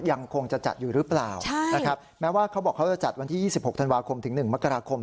ยังคงจะจัดอยู่หรือเปล่านะครับแม้ว่าเขาบอกเขาจะจัดวันที่๒๖ธันวาคมถึง๑มกราคม